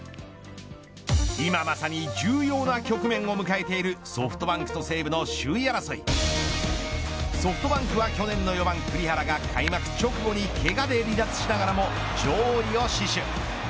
今まさに重要な局面を迎えているソフトバンクと西武の首位争いソフトバンクは去年の４番栗原が開幕直後にけがで離脱しながらも勝利を死守。